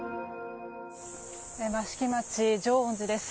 益城町・浄恩寺です。